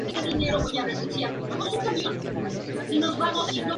En el lenguaje yoruba, la palabra "Oba" significa "Rey".